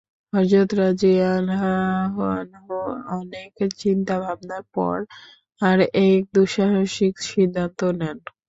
হযরত Khalid রাযিয়াল্লাহু আনহু অনেক চিন্তা-ভাবনার পর এক দুঃসাহসিক সিদ্ধান্ত নেন।